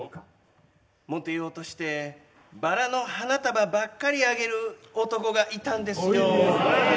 もてようとしてバラの花束ばっかりあげる男がいたんですよ。